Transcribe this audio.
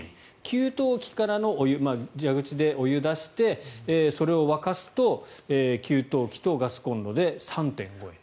給湯機からのお湯、蛇口でお湯を出してそれを沸かすと給湯器とガスコンロで３．５円。